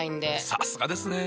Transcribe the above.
さすがですね。